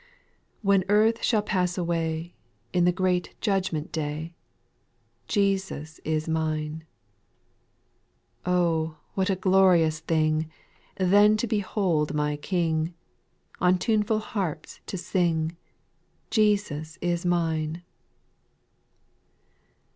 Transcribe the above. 8 When earth shall pass away, In the great judgment day, — Jesus is mine. Oh I what a glorious thing. Then to behold my King, On tuneful harps to sing, Jesus is mine.